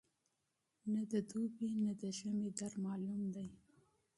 نه دي دوبی نه دي ژمی در معلوم دی